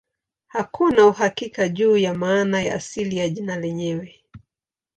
Hakuna uhakika juu ya maana ya asili ya jina lenyewe.